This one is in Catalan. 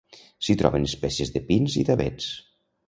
S'hi troben espècies de pins i d'avets.